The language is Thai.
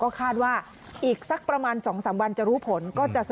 คาดว่าอีกสักประมาณ๒๓วันจะรู้ผลก็จะ